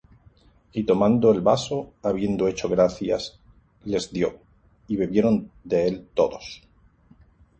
Y tomando el vaso, habiendo hecho gracias, les dió: y bebieron de él todos.